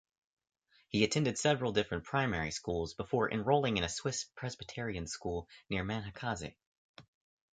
He attended several different primary schools before enrolling in a Swiss-Presbyterian school near Manjacaze.